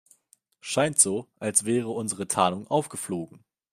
Scheint so, als wäre unsere Tarnung aufgeflogen.